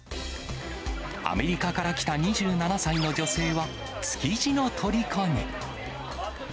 アメリカから来た２７歳の女性は、築地のとりこに。